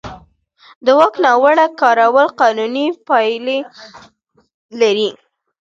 د واک ناوړه کارول قانوني پایلې لري.